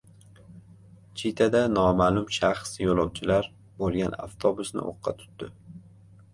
Chitada noma’lum shaxs yo‘lovchilar bo‘lgan avtobusni o‘qqa tutdi